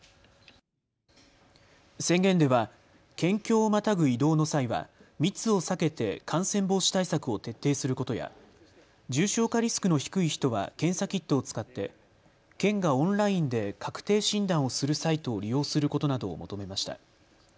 宣言では県境をまたぐ移動の際は密を避けて感染防止対策を徹底することや重症化リスクの低い人は検査キットを使って県がオンラインで確定診断をするサイトを利用することなどを求めました。